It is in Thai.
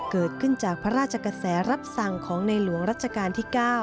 เกิดขึ้นจากพระราชกระแสรับสั่งของในหลวงรัชกาลที่๙